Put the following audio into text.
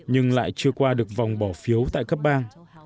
nhưng lại chưa qua được vòng bỏ phiếu tại cấp bang